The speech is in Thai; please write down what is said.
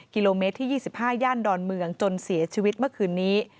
กิโลเมตรที่๒๕ย่านดอนเมืองจนเสียชีวิตเมื่อคืนนี้